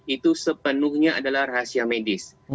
itu sepenuhnya adalah rahasia medis